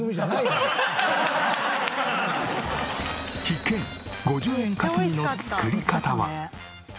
必見５０円カツ煮の作り方は。